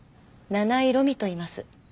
七井路美といいます。